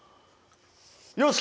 よし！